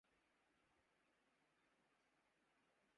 حدیث بادہ و مینا و جام آتی نہیں مجھ کو